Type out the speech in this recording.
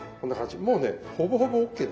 もうねほぼほぼＯＫだな。